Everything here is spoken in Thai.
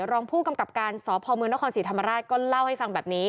รองผู้กำกับการสพมนครศรีธรรมราชก็เล่าให้ฟังแบบนี้